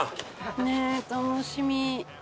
ねえ楽しみ。